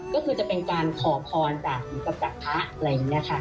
ก็คือจะเป็นการขอพรต่างกับจักรพระอะไรงี้ค่ะ